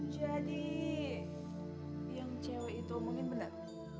jadi yang cewek itu omongin benar